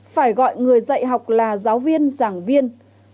phải gọi người dạy học là giáo viên giảng viên